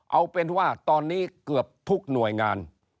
เอาเป็นว่าตอนนี้เกือบทุกหน่วยงาน